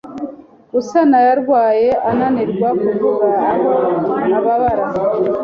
Gasana yarwaye ananirwa kuvuga aho ababara.